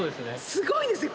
すごいですね！